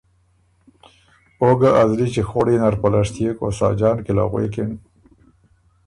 او ګۀ ا زلی چیخوړئ نر پلشتيېک او ساجان کی له غوېکِن۔